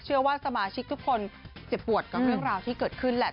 เชื่อว่าสมาชิกทุกคนเจ็บปวดกับเรื่องราวที่เกิดขึ้นแหละ